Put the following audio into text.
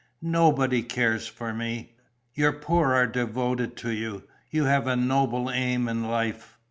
Nobody cares for me." "Your poor are devoted to you. You have a noble aim in life."